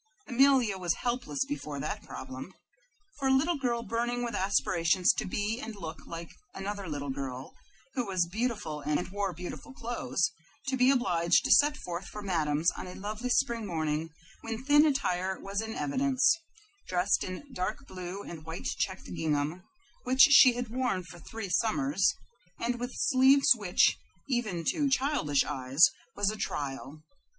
Amelia was helpless before that problem. For a little girl burning with aspirations to be and look like another little girl who was beautiful and wore beautiful clothes, to be obliged to set forth for Madame's on a lovely spring morning, when thin attire was in evidence, dressed in dark blue andwhite checked gingham, which she had worn for three summers, and with sleeves which, even to childish eyes, were anachronisms, was a trial.